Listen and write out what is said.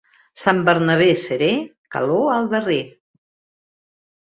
Sant Bernabé serè, calor al darrer.